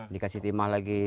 dikasih timah lagi